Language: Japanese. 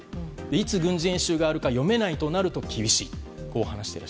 いつ軍事演習があるか読めないとなると厳しい。